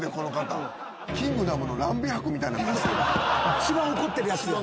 一番怒ってるやつや。